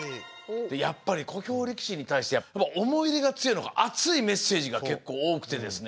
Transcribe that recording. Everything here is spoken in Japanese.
やっぱり小兵力士に対して思い入れが強いのか熱いメッセージが結構多くてですね。